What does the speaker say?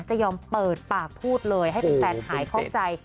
จะยอมเปิดปากพูดเลยให้แฟนหายคล่องใจ